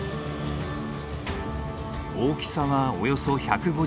大きさはおよそ１５０センチ。